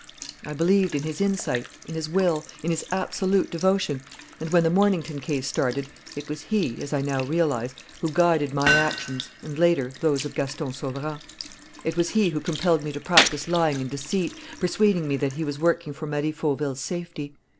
"I believed in his insight, in his will, in his absolute devotion; and, when the Mornington case started, it was he, as I now realize, who guided my actions and, later, those of Gaston Sauverand. It was he who compelled me to practise lying and deceit, persuading me that he was working for Marie Fauville's safety.